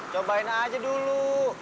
cobain aja dulu